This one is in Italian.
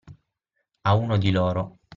A uno di loro